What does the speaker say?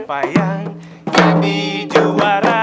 siapa yang jadi juara